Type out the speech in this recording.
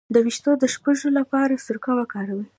د ویښتو د شپږو لپاره سرکه وکاروئ